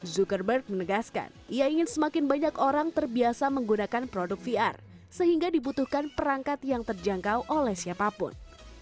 zuckerberg menegaskan ia ingin semakin banyak orang terbiasa menggunakan produk vr sehingga dibutuhkan perangkat yang terjangkau oleh siapapun